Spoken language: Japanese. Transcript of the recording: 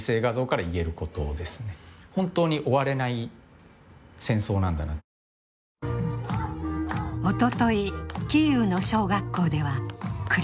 本当に終われない戦争なんだなと。